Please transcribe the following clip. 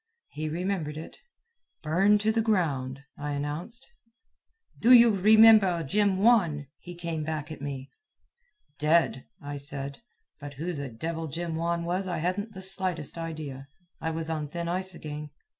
He remembered it. "Burned to the ground," I announced. "Do you remember Jim Wan?" he came back at me. "Dead," I said; but who the devil Jim Wan was I hadn't the slightest idea. I was on thin ice again.